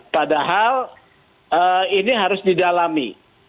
padahal ini harus didalami